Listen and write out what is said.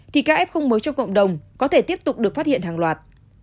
thì ca ép không mới cho cộng đồng có thể tiếp tục được phát hiện hàng loạt